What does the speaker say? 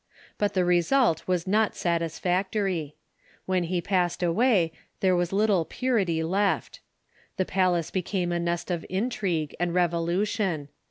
But the result was not satisfactory. When he passed away there was little purity left. The palace became a nest of intrigue and revolution.